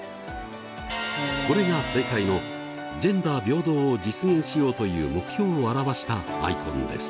これが正解の「ジェンダー平等を実現しよう」という目標を表したアイコンです。